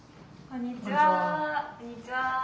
こんにちは。